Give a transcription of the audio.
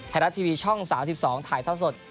ภายุทีวีช่อง๓๒ถ่ายเท้าสด